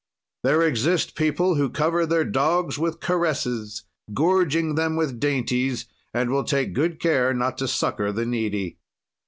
There exist people who cover their dogs with caresses, gorging them with dainties, and will take good care not to succor the needy.